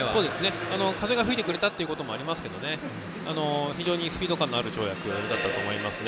風が吹いてくれたというのもありましたが非常にスピード感のある跳躍だったと思います。